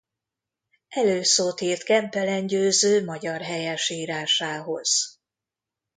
Előszót írt Kempelen Győző Magyar helyesírásához.